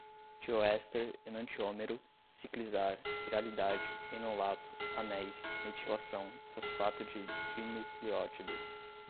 tioéster, enantiômero, ciclizar, quiralidade, enolato, anéis, metilação, fosfato de dinucléotido